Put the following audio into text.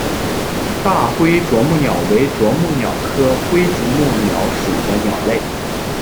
大灰啄木鸟为啄木鸟科灰啄木鸟属的鸟类。